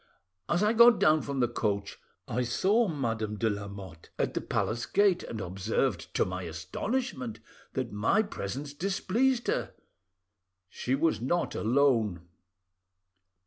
As I got down from the coach I saw Madame de Lamotte at the palace gate, and observed, to my astonishment, that my presence displeased her. She was not alone."